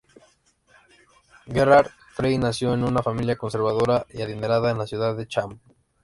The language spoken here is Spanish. Gerhard Frey nació en una familia conservadora y adinerada en la ciudad de Cham.